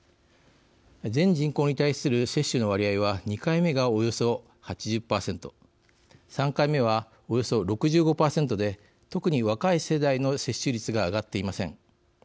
全人口に対する接種の割合は２回目が、およそ８０％３回目は、およそ６５％で特に若い世代の接種率が上がっていません。